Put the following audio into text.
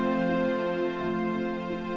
putri aku nolak